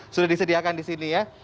sudah disediakan di sini ya